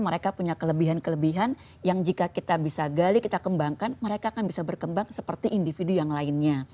mereka punya kelebihan kelebihan yang jika kita bisa gali kita kembangkan mereka akan bisa berkembang seperti individu yang lainnya